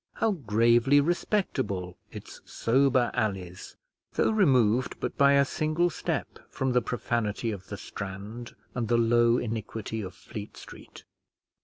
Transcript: how gravely respectable its sober alleys, though removed but by a single step from the profanity of the Strand and the low iniquity of Fleet Street!